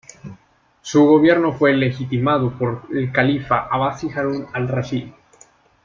Su gobierno fue legitimado por el califa abasí Harún al-Rashid.